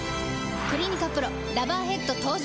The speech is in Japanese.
「クリニカＰＲＯラバーヘッド」登場！